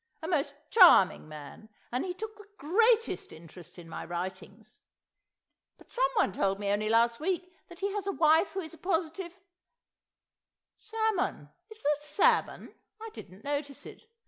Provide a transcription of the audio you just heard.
A most charming man, and he took the greatest interest in my writings; but someone told me only last week that he has a wife who is a positive—— .... Salmon? Is there salmon? I didn't notice it.